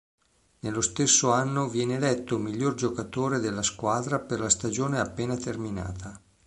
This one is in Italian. Nello stesso anno viene eletto miglior giocatore della squadra per la stagione appena terminata.